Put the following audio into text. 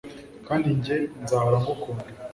Kandi njye nzahora ngukunda